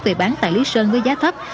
về bán tại lý sơn với giá thấp